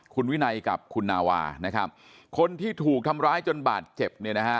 คุณวินัยกับคุณนาวาคนที่ถูกทำร้ายจนบาดเจ็บ